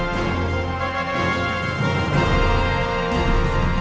ตอนต่อไป